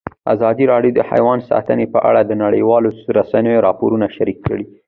ازادي راډیو د حیوان ساتنه په اړه د نړیوالو رسنیو راپورونه شریک کړي.